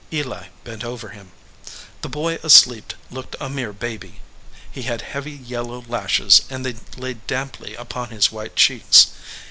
Eli bent over him. The boy asleep looked a mere baby. He had heavy yellow lashes and they lay damply upon his white cheeks.